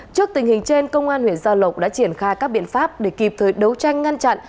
trước tình hình trên công an huyện gia lộc đã triển khai các biện pháp để kịp thời đấu tranh ngăn chặn